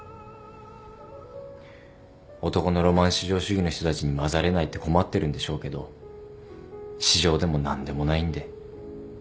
男のロマン至上主義の人たちに交ざれないって困ってるんでしょうけど至上でも何でもないんで。